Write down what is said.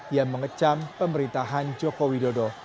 yang mengecam pemerintahan jokowi dodo